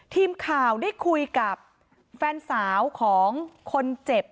ทีมข่าวได้คุยกับแฟนสาวของคนเจ็บ